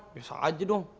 biasa aja dong